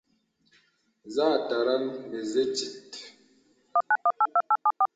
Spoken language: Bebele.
Zə à aterə̀ŋ mə̀zə tìt.